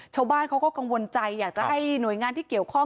ชาวบ้านเขาก็กังวลใจอยากจะให้หน่วยงานที่เกี่ยวข้อง